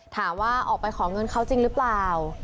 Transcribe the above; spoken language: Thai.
ถามว่าออกไปขอเงินเขาจริงหรือเปล่า